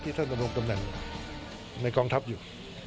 ท่านดำรงตำแหน่งในกองทัพอยู่